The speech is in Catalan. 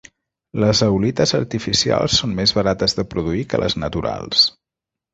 Les zeolites artificials són més barates de produir que les naturals.